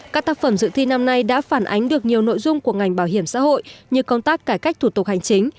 các tác phẩm dự thi năm nay đã phản ánh được nhiều nội dung của ngành bảo hiểm xã hội như công tác cải cách thủ tục hành chính